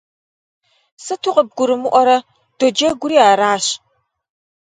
Сыту къыбгурымыӀуэрэ? Доджэгури аращ!